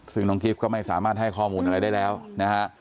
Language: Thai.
ซึ่งน้องกิฟต์ก็ไม่สามารถให้ข้อมูลอะไรได้แล้วนะฮะ